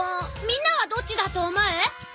みんなはどっちだと思う？